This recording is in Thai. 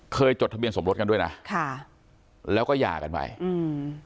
จดทะเบียนสมรสกันด้วยนะค่ะแล้วก็หย่ากันไปอืม